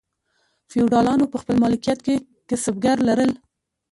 فیوډالانو په خپل مالکیت کې کسبګر لرل.